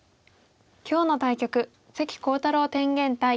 今日の対局関航太郎天元対